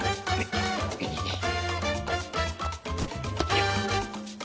よっ。